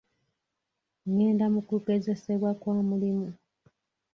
Ngenda mu kugezesebwa kwa mulimu.